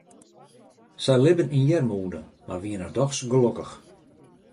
Sy libben yn earmoede, mar wiene dochs gelokkich.